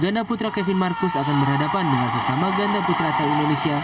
ganda putra kevin marcus akan berhadapan dengan sesama ganda putra asal indonesia